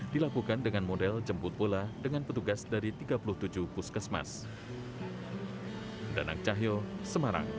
dilakukan dengan model jemput pula dengan petugas dari tiga puluh tujuh puskesmas